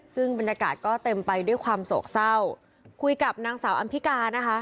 ซึ่งบรรยากาศก็เต็มไปด้วยความโศกเศร้าคุยกับนางสาวอำพิกานะคะ